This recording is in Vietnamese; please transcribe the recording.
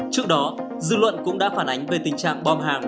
trước đó dư luận cũng đã phản ánh về tình trạng bom hàng